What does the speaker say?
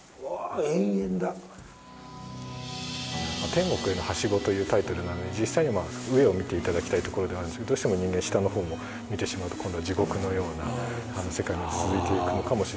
『天国への梯子』というタイトルなので実際には上を見て頂きたいところではあるんですけどどうしても人間下の方を見てしまうと今度は地獄のような世界が続いていくのかもしれないですし。